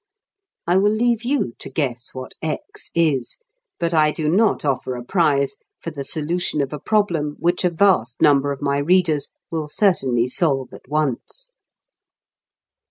I will leave you to guess what "X" is, but I do not offer a prize for the solution of a problem which a vast number of my readers will certainly solve at once.